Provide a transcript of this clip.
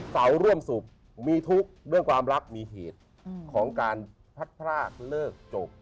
เสาร่วมสุขมีทุกข์เรื่องความรักมีเหตุของการพัดพรากเลิกจบ